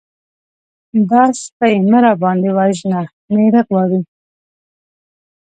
_دا سپۍ مه راباندې وژنه! مېړه غواړي.